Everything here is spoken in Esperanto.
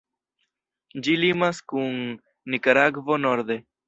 Ĝi limas kun Nikaragvo norde.